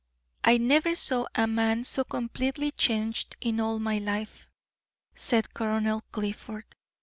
"I never saw a man so completely changed in all my life," said Colonel Clifford.